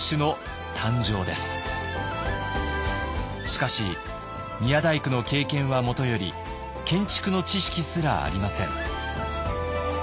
しかし宮大工の経験はもとより建築の知識すらありません。